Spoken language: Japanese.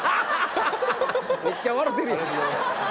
めっちゃ笑てるやん。